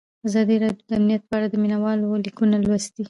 ازادي راډیو د امنیت په اړه د مینه والو لیکونه لوستي.